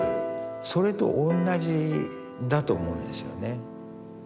それと同じだと思うんですよね。